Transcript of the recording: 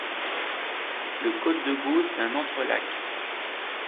Le Code de Gauss d'un entrelacs.